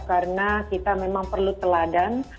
karena kita memang perlu teladan